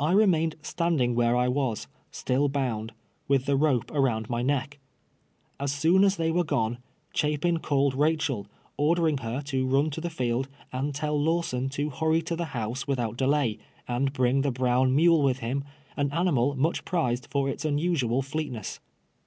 I remained standing where I was, still bound, with the rope around my neck. As soon as they were gone, Chapin called Haehel, ordering her to run to the field, and tell Lawson to hurry to the house with out delay, and bring the brown mule Avith him, an animal much prized for its unusual flcctness.